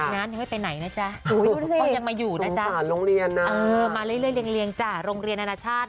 สงานยังไม่ไปไหนนะจ๊ะ